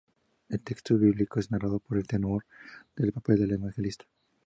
El texto bíblico es narrado por el tenor en el papel de Evangelista.